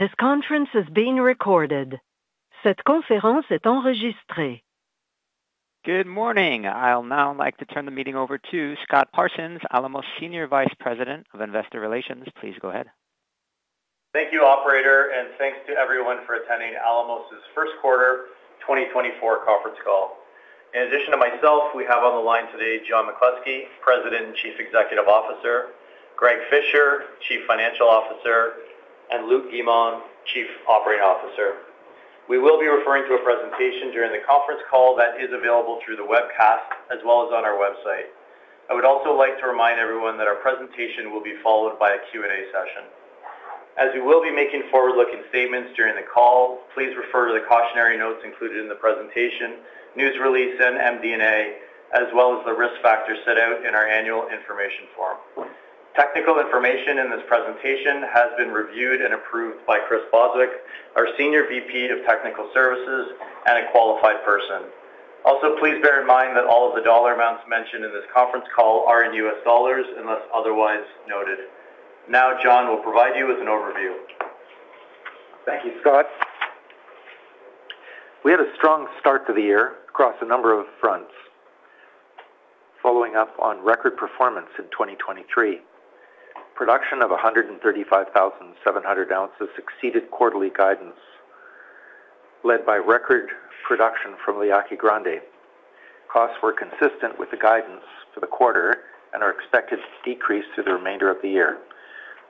This conference is being recorded. Cette conférence est enregistrée. Good morning. I'll now like to turn the meeting over to Scott Parsons, Alamos Senior Vice President of Investor Relations. Please go ahead. Thank you, Operator, and thanks to everyone for attending Alamos's first quarter 2024 conference call. In addition to myself, we have on the line today John McCluskey, President and Chief Executive Officer; Greg Fisher, Chief Financial Officer; and Luc Guimond, Chief Operating Officer. We will be referring to a presentation during the conference call that is available through the webcast as well as on our website. I would also like to remind everyone that our presentation will be followed by a Q&A session. As we will be making forward-looking statements during the call, please refer to the cautionary notes included in the presentation, news release, and MD&A, as well as the risk factors set out in our Annual Information Form. Technical information in this presentation has been reviewed and approved by Chris Bostwick, our Senior VP of Technical Services, and a qualified person. Also, please bear in mind that all of the dollar amounts mentioned in this conference call are in U.S. dollars unless otherwise noted. Now John will provide you with an overview. Thank you, Scott. We had a strong start to the year across a number of fronts, following up on record performance in 2023. Production of 135,700 ounces exceeded quarterly guidance, led by record production from La Yaqui Grande. Costs were consistent with the guidance for the quarter and are expected to decrease through the remainder of the year.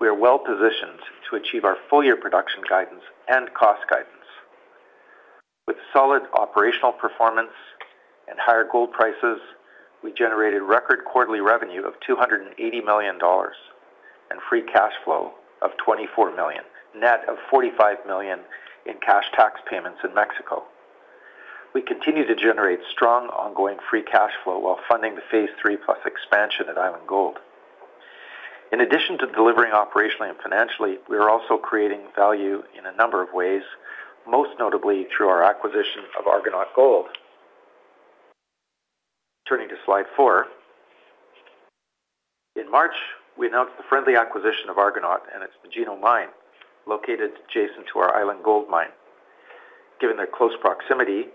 We are well positioned to achieve our full-year production guidance and cost guidance. With solid operational performance and higher gold prices, we generated record quarterly revenue of $280 million and free cash flow of $24 million, net of $45 million in cash tax payments in Mexico. We continue to generate strong ongoing free cash flow while funding the Phase 3+ Expansion at Island Gold. In addition to delivering operationally and financially, we are also creating value in a number of ways, most notably through our acquisition of Argonaut Gold. Turning to slide 4, in March, we announced the friendly acquisition of Argonaut and its Magino mine, located adjacent to our Island Gold mine. Given their close proximity,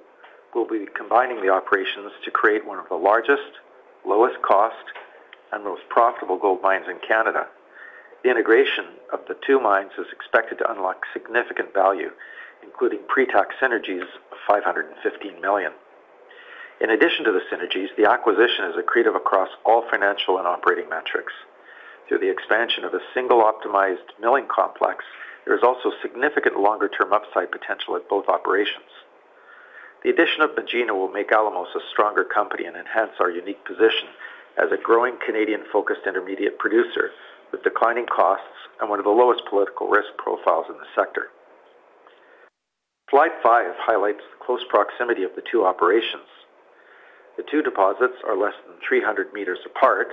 we'll be combining the operations to create one of the largest, lowest cost, and most profitable gold mines in Canada. The integration of the two mines is expected to unlock significant value, including pre-tax synergies of $515 million. In addition to the synergies, the acquisition is accretive across all financial and operating metrics. Through the expansion of a single optimized milling complex, there is also significant longer-term upside potential at both operations. The addition of Magino will make Alamos a stronger company and enhance our unique position as a growing Canadian-focused intermediate producer with declining costs and one of the lowest political risk profiles in the sector. Slide 5 highlights the close proximity of the two operations. The two deposits are less than 300 meters apart,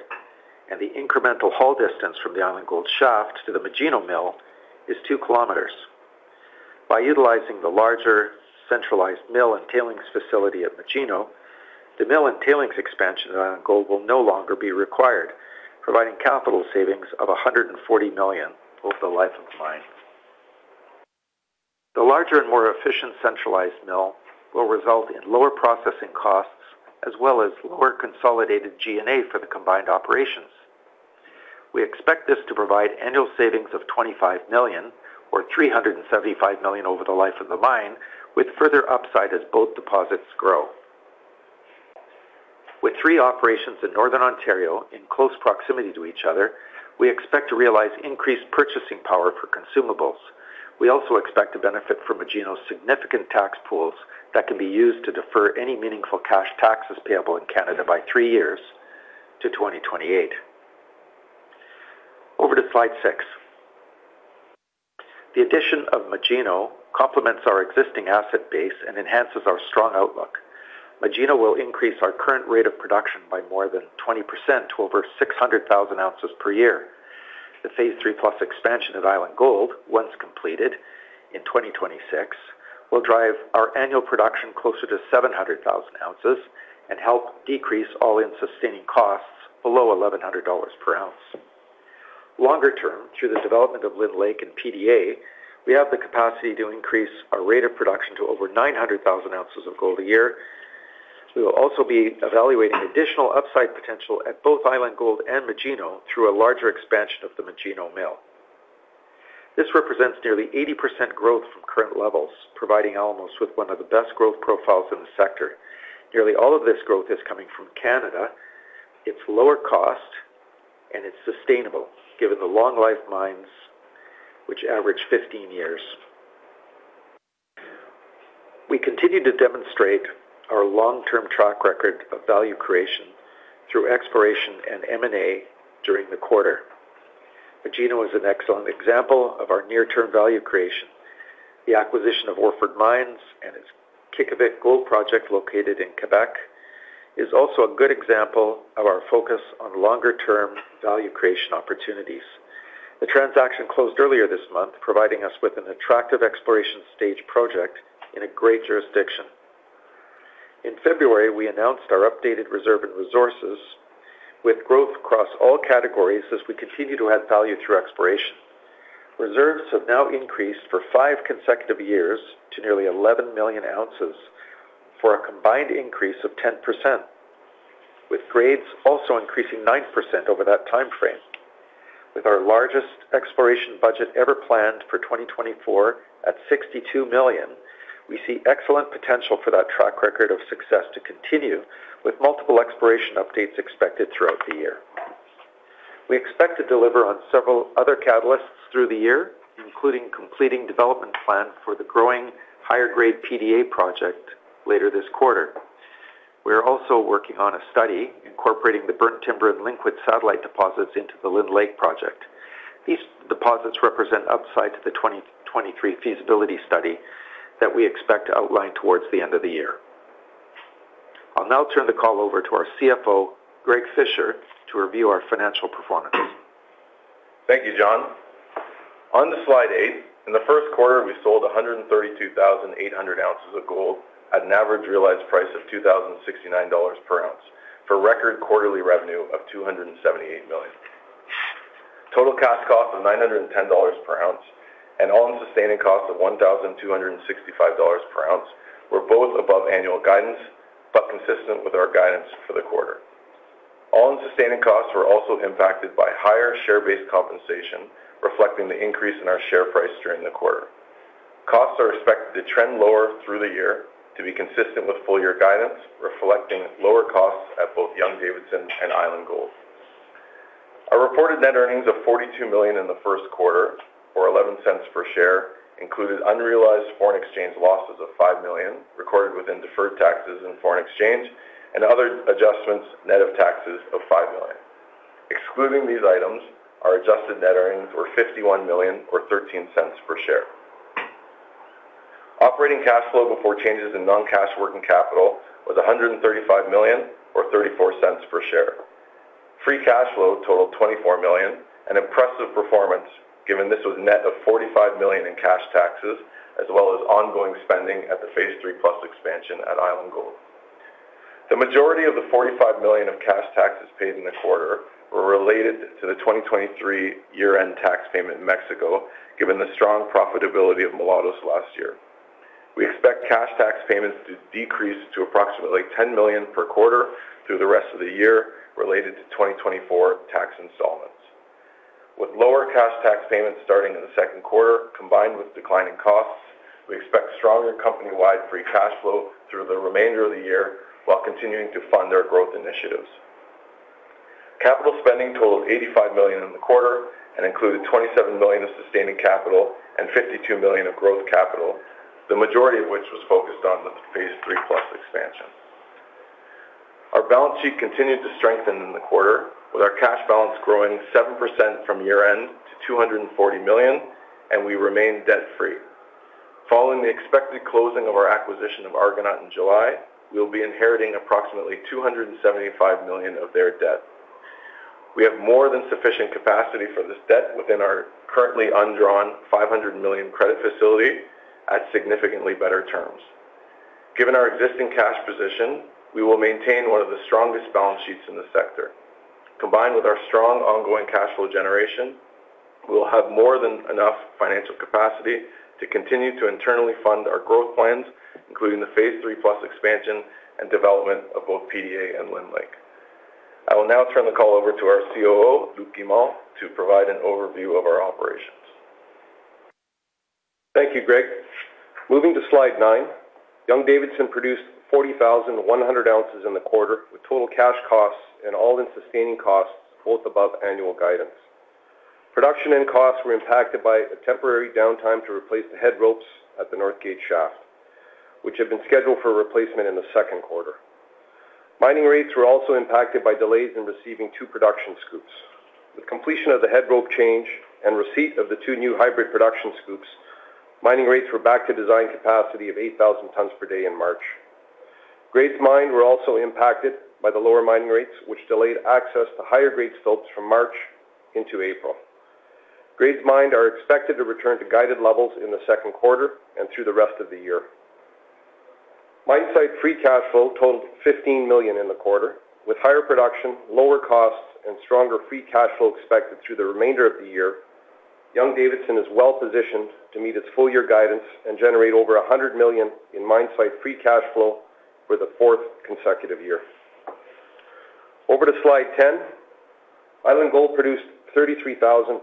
and the incremental haul distance from the Island Gold shaft to the Magino mill is 2 kilometers. By utilizing the larger centralized mill and tailings facility at Magino, the mill and tailings expansion at Island Gold will no longer be required, providing capital savings of $140 million over the life of the mine. The larger and more efficient centralized mill will result in lower processing costs as well as lower consolidated G&A for the combined operations. We expect this to provide annual savings of $25 million or $375 million over the life of the mine, with further upside as both deposits grow. With three operations in Northern Ontario in close proximity to each other, we expect to realize increased purchasing power for consumables. We also expect to benefit from Magino's significant tax pools that can be used to defer any meaningful cash taxes payable in Canada by three years to 2028. Over to slide 6. The addition of Magino complements our existing asset base and enhances our strong outlook. Magino will increase our current rate of production by more than 20% to over 600,000 ounces per year. The Phase III+ expansion at Island Gold, once completed in 2026, will drive our annual production closer to 700,000 ounces and help decrease all-in sustaining costs below $1,100 per ounce. Longer term, through the development of Lynn Lake and PDA, we have the capacity to increase our rate of production to over 900,000 ounces of gold a year. We will also be evaluating additional upside potential at both Island Gold and Magino through a larger expansion of the Magino mill. This represents nearly 80% growth from current levels, providing Alamos with one of the best growth profiles in the sector. Nearly all of this growth is coming from Canada, its lower cost, and it's sustainable given the long-life mines, which average 15 years. We continue to demonstrate our long-term track record of value creation through exploration and M&A during the quarter. Magino is an excellent example of our near-term value creation. The acquisition of Orford Mining and its Qiqavik Gold Project located in Quebec is also a good example of our focus on longer-term value creation opportunities. The transaction closed earlier this month, providing us with an attractive exploration stage project in a great jurisdiction. In February, we announced our updated reserves and resources with growth across all categories as we continue to add value through exploration. Reserves have now increased for five consecutive years to nearly 11 million ounces for a combined increase of 10%, with grades also increasing 9% over that time frame. With our largest exploration budget ever planned for 2024 at $62 million, we see excellent potential for that track record of success to continue, with multiple exploration updates expected throughout the year. We expect to deliver on several other catalysts through the year, including completing development plan for the growing higher-grade PDA project later this quarter. We are also working on a study incorporating the Burnt Timber and Linkwood satellite deposits into the Lynn Lake project. These deposits represent upside to the 2023 feasibility study that we expect to outline towards the end of the year. I'll now turn the call over to our CFO, Greg Fisher, to review our financial performance. Thank you, John. On slide eight, in the first quarter, we sold 132,800 ounces of gold at an average realized price of $2,069 per ounce for record quarterly revenue of $278 million. Total cash cost of $910 per ounce and all-in sustaining cost of $1,265 per ounce were both above annual guidance but consistent with our guidance for the quarter. All-in sustaining costs were also impacted by higher share-based compensation, reflecting the increase in our share price during the quarter. Costs are expected to trend lower through the year to be consistent with full-year guidance, reflecting lower costs at both Young-Davidson and Island Gold. Our reported net earnings of $42 million in the first quarter, or $0.11 per share, included unrealized foreign exchange losses of $5 million recorded within deferred taxes in foreign exchange and other adjustments net of taxes of $5 million. Excluding these items, our adjusted net earnings were $51 million or $0.13 per share. Operating cash flow before changes in non-cash working capital was $135 million or $0.34 per share. Free Cash Flow totaled $24 million, an impressive performance given this was net of $45 million in cash taxes as well as ongoing spending at the Phase III+ Expansion at Island Gold. The majority of the $45 million of cash taxes paid in the quarter were related to the 2023 year-end tax payment in Mexico, given the strong profitability of Mulatos last year. We expect cash tax payments to decrease to approximately $10 million per quarter through the rest of the year related to 2024 tax installments. With lower cash tax payments starting in the second quarter combined with declining costs, we expect stronger company-wide free cash flow through the remainder of the year while continuing to fund our growth initiatives. Capital spending totaled $85 million in the quarter and included $27 million of sustaining capital and $52 million of growth capital, the majority of which was focused on the Phase III+ expansion. Our balance sheet continued to strengthen in the quarter, with our cash balance growing 7% from year-end to $240 million, and we remain debt-free. Following the expected closing of our acquisition of Argonaut in July, we'll be inheriting approximately $275 million of their debt. We have more than sufficient capacity for this debt within our currently undrawn $500 million credit facility at significantly better terms. Given our existing cash position, we will maintain one of the strongest balance sheets in the sector. Combined with our strong ongoing cash flow generation, we'll have more than enough financial capacity to continue to internally fund our growth plans, including the Phase III+ Expansion and development of both PDA and Lynn Lake. I will now turn the call over to our COO, Luc Guimond, to provide an overview of our operations. Thank you, Greg. Moving to slide 9, Young-Davidson produced 40,100 ounces in the quarter with Total Cash Costs and All-in Sustaining Costs both above annual guidance. Production and costs were impacted by a temporary downtime to replace the head ropes at the Northgate Shaft, which had been scheduled for replacement in the second quarter. Mining rates were also impacted by delays in receiving 2 production scoops. With completion of the head rope change and receipt of the two new hybrid production scoops, mining rates were back to design capacity of 8,000 tons per day in March. Mined grades were also impacted by the lower mining rates, which delayed access to higher-grade stopes from March into April. Mined grades are expected to return to guided levels in the second quarter and through the rest of the year. Mine-site Free Cash Flow totaled $15 million in the quarter. With higher production, lower costs, and stronger Free Cash Flow expected through the remainder of the year, Young-Davidson is well positioned to meet its full-year guidance and generate over $100 million in mine-site Free Cash Flow for the fourth consecutive year. Over to slide 10, Island Gold produced 33,400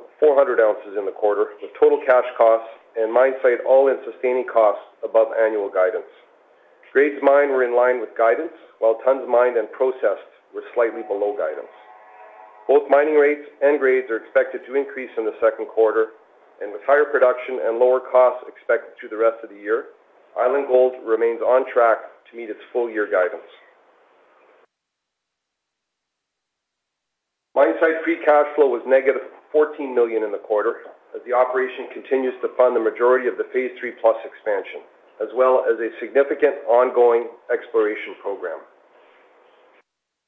ounces in the quarter with Total Cash Costs and mine-site All-in Sustaining Costs above annual guidance. at the mine were in line with guidance, while tons mined and processed were slightly below guidance. Both mining rates and grades are expected to increase in the second quarter, and with higher production and lower costs expected through the rest of the year, Island Gold remains on track to meet its full-year guidance. Mine site free cash flow was -$14 million in the quarter as the operation continues to fund the majority of the Phase III+ expansion as well as a significant ongoing exploration program.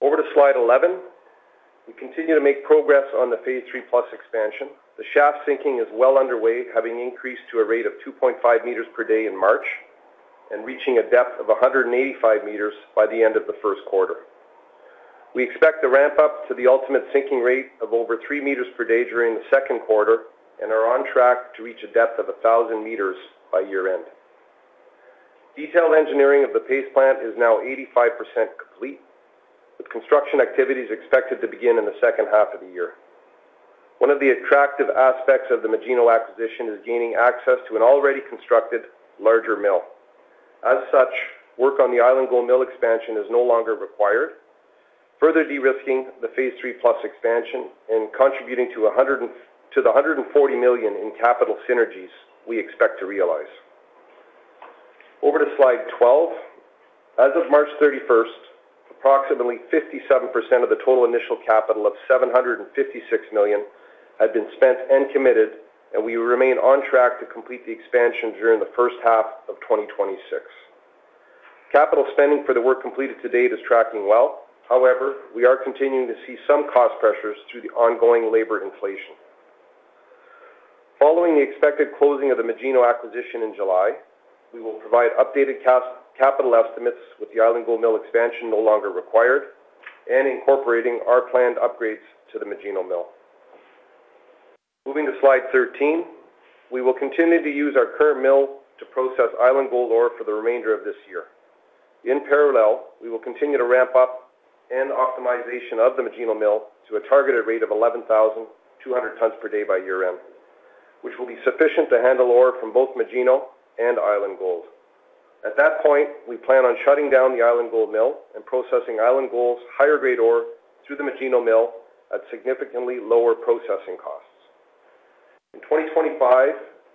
Over to slide 11, we continue to make progress on the Phase III+ expansion. The shaft sinking is well underway, having increased to a rate of 2.5 meters per day in March and reaching a depth of 185 meters by the end of the first quarter. We expect to ramp up to the ultimate sinking rate of over 3 meters per day during the second quarter and are on track to reach a depth of 1,000 meters by year-end. Detailed engineering of the paste plant is now 85% complete, with construction activities expected to begin in the second half of the year. One of the attractive aspects of the Magino acquisition is gaining access to an already constructed larger mill. As such, work on the Island Gold mill expansion is no longer required, further de-risking the Phase III+ Expansion and contributing to the $140 million in capital synergies we expect to realize. Over to slide 12, as of March 31st, approximately 57% of the total initial capital of $756 million had been spent and committed, and we remain on track to complete the expansion during the first half of 2026. Capital spending for the work completed to date is tracking well. However, we are continuing to see some cost pressures through the ongoing labor inflation. Following the expected closing of the Magino acquisition in July, we will provide updated capital estimates with the Island Gold mill expansion no longer required and incorporating our planned upgrades to the Magino mill. Moving to slide 13, we will continue to use our current mill to process Island Gold ore for the remainder of this year. In parallel, we will continue to ramp up an optimization of the Magino mill to a targeted rate of 11,200 tons per day by year-end, which will be sufficient to handle ore from both Magino and Island Gold. At that point, we plan on shutting down the Island Gold mill and processing Island Gold's higher-grade ore through the Magino mill at significantly lower processing costs. In 2025,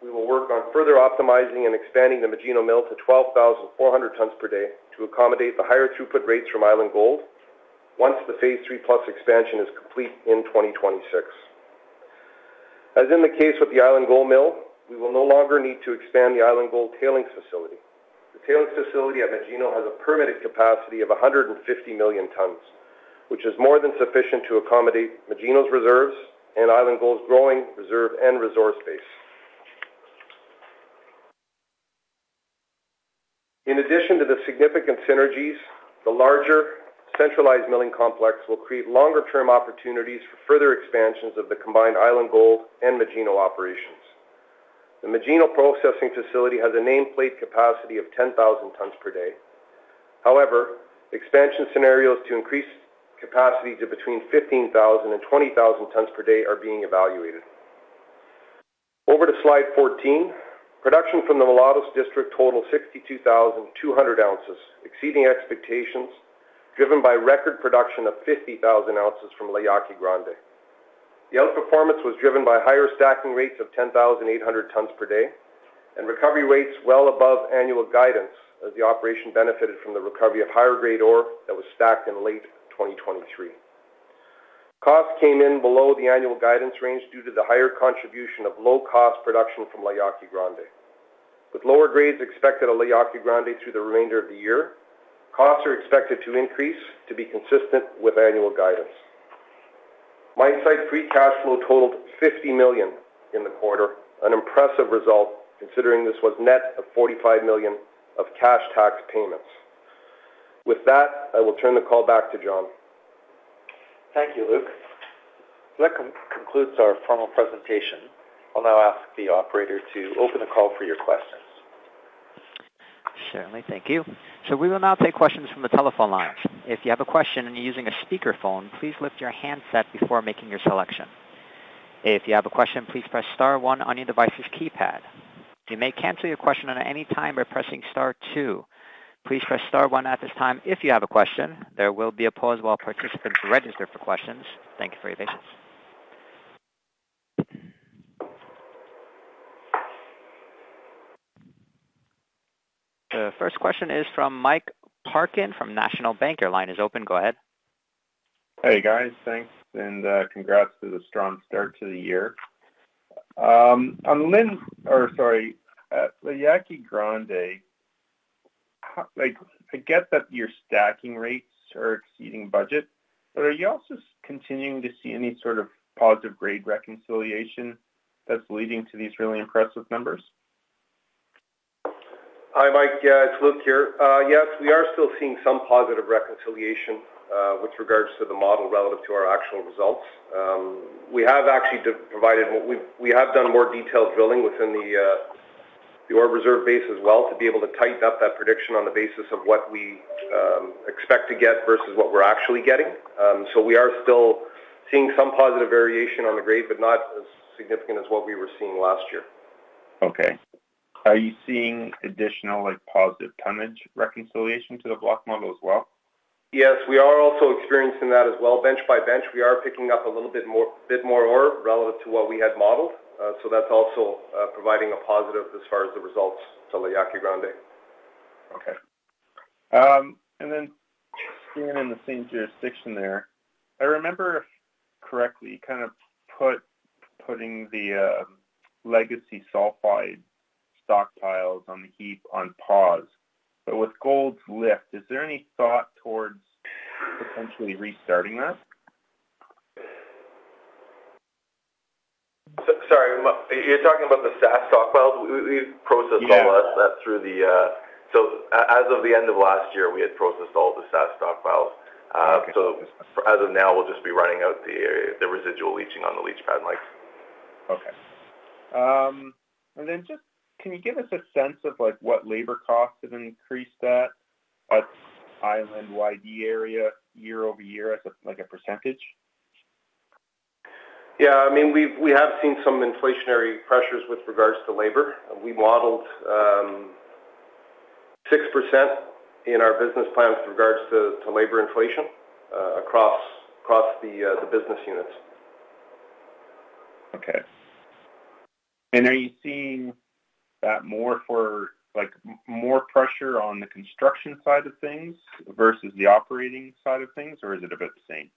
we will work on further optimizing and expanding the Magino mill to 12,400 tons per day to accommodate the higher throughput rates from Island Gold once the Phase III+ Expansion is complete in 2026. As in the case with the Island Gold mill, we will no longer need to expand the Island Gold tailings facility. The tailings facility at Magino has a permitted capacity of 150 million tons, which is more than sufficient to accommodate Magino's reserves and Island Gold's growing reserve and resource base. In addition to the significant synergies, the larger centralized milling complex will create longer-term opportunities for further expansions of the combined Island Gold and Magino operations. The Magino processing facility has a nameplate capacity of 10,000 tons per day. However, expansion scenarios to increase capacity to between 15,000-20,000 tons per day are being evaluated. Over to slide 14, production from the Mulatos District totaled 62,200 ounces, exceeding expectations, driven by record production of 50,000 ounces from La Yaqui Grande. Yield performance was driven by higher stacking rates of 10,800 tons per day and recovery rates well above annual guidance as the operation benefited from the recovery of higher-grade ore that was stacked in late 2023. Costs came in below the annual guidance range due to the higher contribution of low-cost production from La Yaqui Grande. With lower grades expected at La Yaqui Grande through the remainder of the year, costs are expected to increase to be consistent with annual guidance. Mine site free cash flow totaled $50 million in the quarter, an impressive result considering this was net of $45 million of cash tax payments. With that, I will turn the call back to John. Thank you, Luc. That concludes our formal presentation. I'll now ask the operator to open the call for your questions. Certainly. Thank you. We will now take questions from the telephone lines. If you have a question and you're using a speakerphone, please lift your handset before making your selection. If you have a question, please press star one on your device's keypad. You may cancel your question at any time by pressing star two. Please press star one at this time if you have a question. There will be a pause while participants register for questions. Thank you for your patience. The first question is from Mike Parkin from National Bank. Your line is open. Go ahead. Hey, guys. Thanks and congrats to the strong start to the year. On Lynn or sorry, La Yaqui Grande, I get that your stacking rates are exceeding budget, but are you also continuing to see any sort of positive grade reconciliation that's leading to these really impressive numbers? Hi, Mike. It's Luc here. Yes, we are still seeing some positive reconciliation with regards to the model relative to our actual results. We have done more detailed drilling within the ore reserve base as well to be able to tighten up that prediction on the basis of what we expect to get versus what we're actually getting. So we are still seeing some positive variation on the grade but not as significant as what we were seeing last year. Okay. Are you seeing additional positive tonnage reconciliation to the block model as well? Yes, we are also experiencing that as well. Bench by bench, we are picking up a little bit more ore relative to what we had modeled. So that's also providing a positive as far as the results to La Yaqui Grande. Okay. Then staying in the same jurisdiction there, I remember correctly, you kind of put the legacy sulfide stockpiles on the heap on pause. But with gold's lift, is there any thought towards potentially restarting that? Sorry. You're talking about the SAS stockpiles? We've processed all of that, so as of the end of last year, we had processed all the SAS stockpiles. So as of now, we'll just be running out the residual leaching on the leach pad, Mike. Okay. And then just can you give us a sense of what labor costs have increased at Island YD area year-over-year as a percentage? Yeah. I mean, we have seen some inflationary pressures with regards to labor. We modeled 6% in our business plans with regards to labor inflation across the business units. Okay. Are you seeing that more for more pressure on the construction side of things versus the operating side of things, or is it about the same?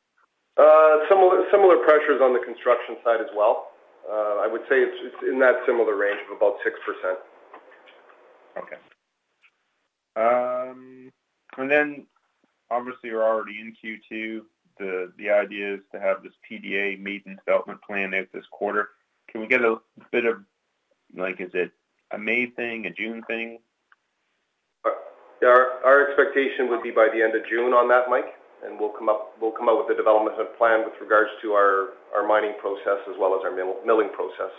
Similar pressures on the construction side as well. I would say it's in that similar range of about 6%. Okay. And then obviously, we're already in Q2. The idea is to have this PDA meet and development planned out this quarter. Can we get a bit of, is it a May thing, a June thing? Our expectation would be by the end of June on that, Mike, and we'll come up with a development plan with regards to our mining process as well as our milling process.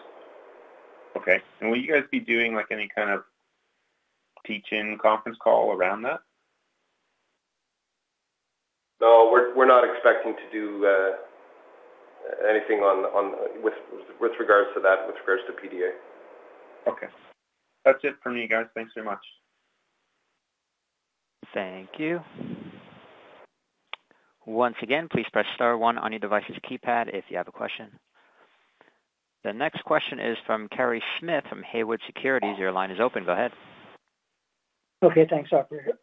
Okay. And will you guys be doing any kind of teach-in conference call around that? No, we're not expecting to do anything with regards to that with regards to PDA. Okay. That's it from me, guys. Thanks very much. Thank you. Once again, please press star one on your device's keypad if you have a question. The next question is from Kerry Smith from Haywood Securities. Your line is open. Go ahead. Okay. Thanks, operator.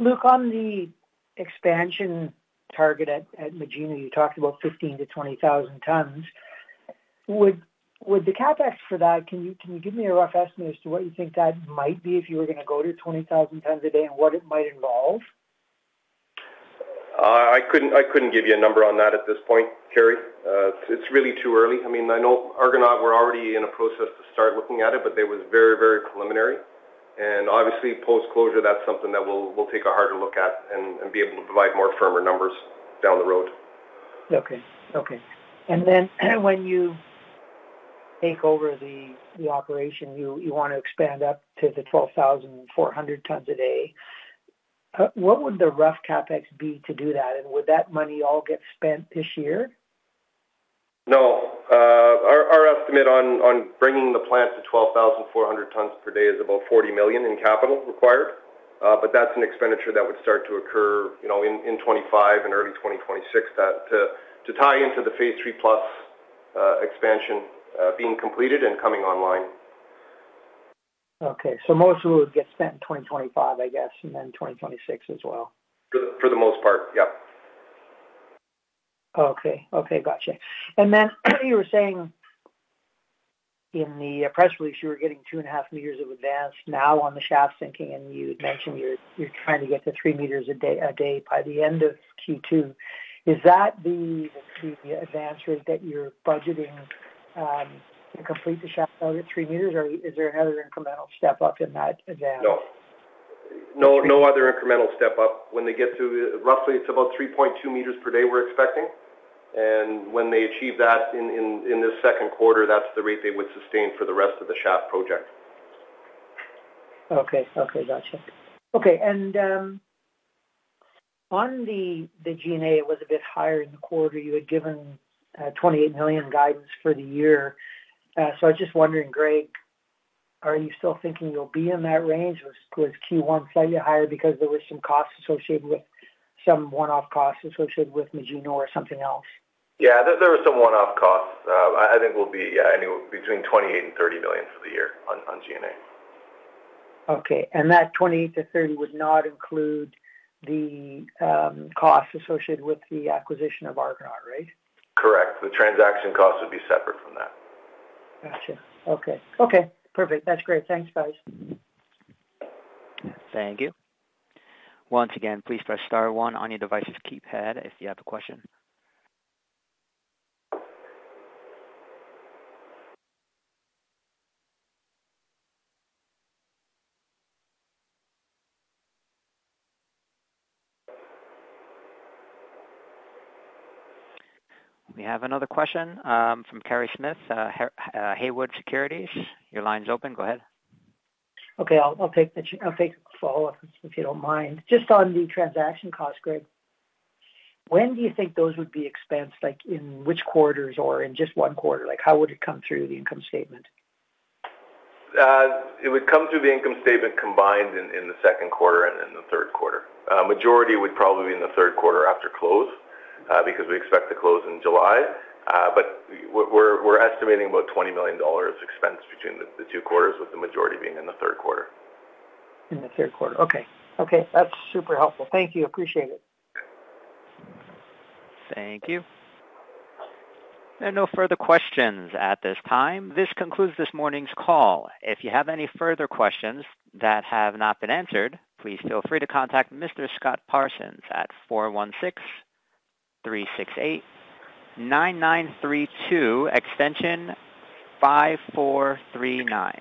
Luc, on the expansion target at Magino, you talked about 15,000-20,000 tons. Would the CapEx for that can you give me a rough estimate as to what you think that might be if you were going to go to 20,000 tons a day and what it might involve? I couldn't give you a number on that at this point, Kerry. It's really too early. I mean, I know Argonaut were already in a process to start looking at it, but they was very, very preliminary. And obviously, post-closure, that's something that we'll take a harder look at and be able to provide more firmer numbers down the road. Okay. Okay. And then when you take over the operation, you want to expand up to the 12,400 tons a day. What would the rough CapEx be to do that, and would that money all get spent this year? No. Our estimate on bringing the plant to 12,400 tons per day is about $40 million in capital required, but that's an expenditure that would start to occur in 2025 and early 2026 to tie into the Phase III+ Expansion being completed and coming online. Okay. So most of it would get spent in 2025, I guess, and then 2026 as well? For the most part, yep. Okay. Okay. Gotcha. And then you were saying in the press release, you were getting 2.5 meters of advance now on the shaft sinking, and you had mentioned you're trying to get to 3 meters a day by the end of Q2. Is that the advance rate that you're budgeting to complete the shaft out at 3 meters, or is there another incremental step up in that advance? No. No other incremental step up. When they get to roughly, it's about 3.2 meters per day we're expecting. And when they achieve that in this second quarter, that's the rate they would sustain for the rest of the shaft project. Okay. Okay. Gotcha. Okay. And on the G&A, it was a bit higher in the quarter. You had given $28 million guidance for the year. So I was just wondering, Greg, are you still thinking you'll be in that range? Was Q1 slightly higher because there were some costs associated with some one-off costs associated with Magino or something else? Yeah, there were some one-off costs. I think we'll be between $28 million and $30 million for the year on G&A. Okay. That 28-30 would not include the costs associated with the acquisition of Argonaut, right? Correct. The transaction costs would be separate from that. Gotcha. Okay. Okay. Perfect. That's great. Thanks, guys. Thank you. Once again, please press star one on your device's keypad if you have a question. We have another question from Kerry Smith, Haywood Securities. Your line's open. Go ahead. Okay. I'll take the follow-up if you don't mind. Just on the transaction costs, Greg, when do you think those would be expensed? In which quarters or in just one quarter? How would it come through the income statement? It would come through the income statement combined in the second quarter and in the third quarter. Majority would probably be in the third quarter after close because we expect to close in July. But we're estimating about $20 million expense between the two quarters, with the majority being in the third quarter. In the third quarter. Okay. Okay. That's super helpful. Thank you. Appreciate it. Thank you. There are no further questions at this time. This concludes this morning's call. If you have any further questions that have not been answered, please feel free to contact Mr. Scott Parsons at 416-368-9932, extension 5439.